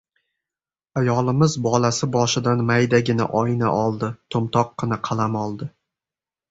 Ayolimiz bolasi boshidan maydagina oyna oldi, to‘mtoqqina qalam oldi.